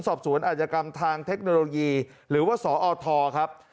สอบสวนอาจกรรมทางเทคโนโลยีหรือว่าสอทครับ